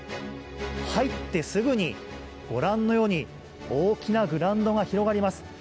入ってすぐにご覧のように大きなグラウンドが広がります。